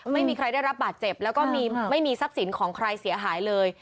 ไม่มีใครได้รับบาดเจ็บแล้วก็ไม่มีทรัพย์สินของใครเสียหายเลย